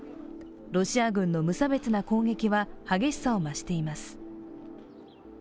ロシア軍の無差別な攻撃は激しさを増しています。